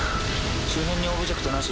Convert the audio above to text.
周辺にオブジェクトなし。